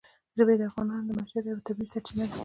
ژبې د افغانانو د معیشت یوه طبیعي سرچینه ده.